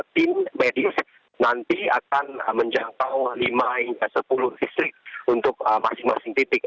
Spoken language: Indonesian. tim medis nanti akan menjangkau lima hingga sepuluh distrik untuk masing masing titik